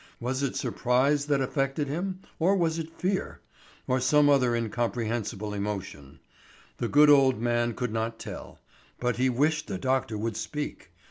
Was it surprise that affected him, or was it fear, or some other incomprehensible emotion? The good old man could not tell; but he wished the doctor would speak.